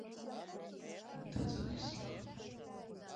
Инҭаҵаны исҵәахит.